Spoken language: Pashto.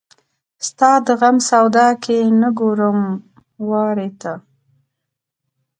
ستا د غم سودا کې نه ګورم وارې ته